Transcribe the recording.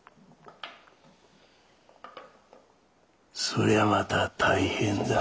そりゃまた大変だ。